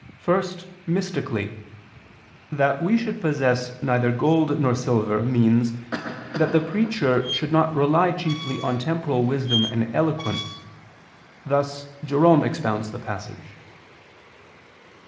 First, mystically, that we should possess neither gold nor silver means that the preacher should not rely chiefly on temporal wisdom and eloquence; thus Jerome expounds the passage.